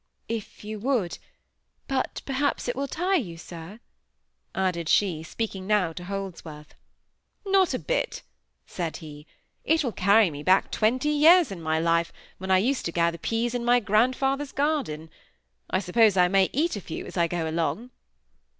"If you would. But perhaps it will tire you, sir?" added she, speaking now to Holdsworth. "Not a bit," said he. "It will carry me back twenty years in my life, when I used to gather peas in my grandfather's garden. I suppose I may eat a few as I go along?"